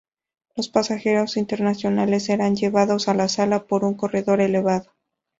Los pasajeros internacionales serán llevados a la sala por un corredor elevado.